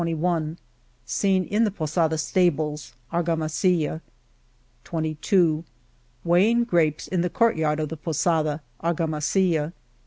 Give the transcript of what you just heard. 20 Scene in the Posada stables, Argamasilla, . 21 Weighing grapes in the court yard of the posada, Argamasilla